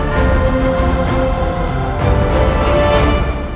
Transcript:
chương trình tp hcm